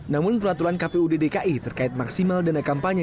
namun peraturan kpud dki terkait maksimal dana kampanye